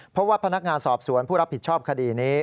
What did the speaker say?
เพราะว่าพนักงานสอบสวนผู้รับผิดชอบคดีนี้